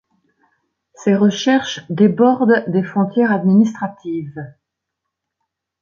Ses recherches débordent des frontières administratives.